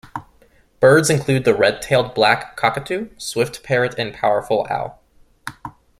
Birds include the red-tailed black cockatoo, swift parrot and powerful owl.